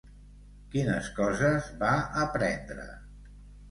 Quines coses va aprendre?